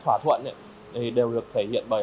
thỏa thuận đều được thể hiện bởi